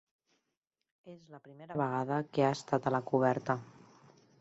És la primera vegada que ha estat a la coberta.